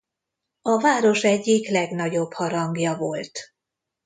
A város egyik legnagyobb harangja volt.